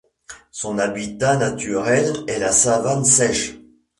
Son habitat naturel est la savane sèche.